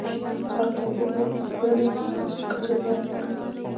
دغه توپیر بالاخره په کرنه کې د حاصل کچه زیانه کړه.